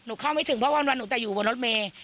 หนูเข้าไม่ถึงเพราะว่าระวันหนูแต่อยู่บนรถเมนต์